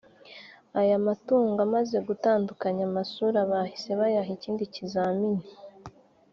Aya matungo amaze gutandukanya amasura bahise bayaha ikindi kizamini